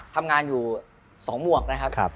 ทำงานอยู่๒หมวกนะครับ